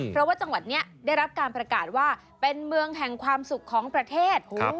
เพราะว่าจังหวัดนี้ได้รับการประกาศว่าเป็นเมืองแห่งความสุขของประเทศ